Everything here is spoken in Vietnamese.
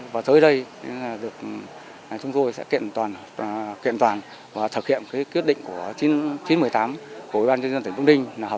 và tới đây chúng tôi sẽ kiện toàn và thực hiện quyết định của chín trăm một mươi tám của ubnd